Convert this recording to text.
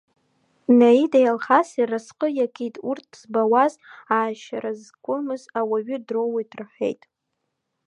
Наидеи Алхаси рразҟы иакит, урҭ збауаз, аашьара зқәымыз ауаҩы дроуит, — рҳәеит.